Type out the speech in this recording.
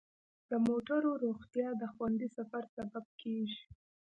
د موټرو روغتیا د خوندي سفر سبب کیږي.